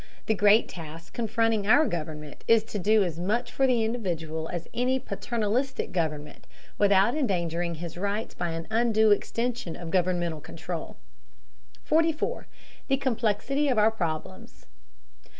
The great task confronting our government is to do as much for the individual as any paternalistic government, without endangering his rights by an undue extension of governmental control. 44. THE COMPLEXITY OF OUR PROBLEMS.